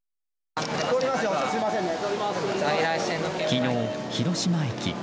昨日、広島駅。